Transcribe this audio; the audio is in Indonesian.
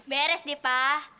beres deh pak